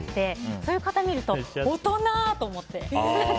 そういう方を見ると大人！って思って。